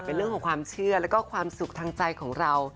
เป็นเรื่องของความเชื่อแล้วก็ความสุขทางใจของเรา